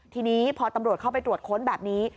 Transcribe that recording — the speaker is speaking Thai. ทีนี้พอตำรวจเข้าไปตรวจค้นแบบนี้